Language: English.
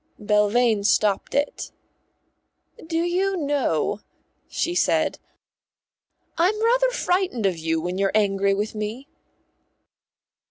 Belvane stopped it. "Do you know," she said, "I'm rather frightened of you when you're angry with me."